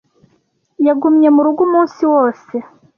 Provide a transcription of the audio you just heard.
Yagumye mu rugo umunsi wose